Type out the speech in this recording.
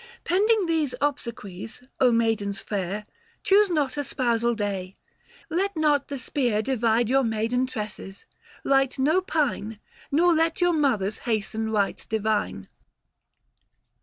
Pending these obsequies, maidens fair, Choose not a sponsal day ; let not the spear 595 Divide your maiden tresses ; light no pine, Nor let your mothers hasten rites divine.